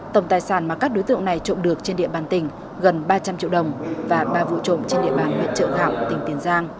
tổng tài sản mà các đối tượng này trộm được trên địa bàn tỉnh gần ba trăm linh triệu đồng và ba vụ trộm trên địa bàn huyện trợ gạo tỉnh tiền giang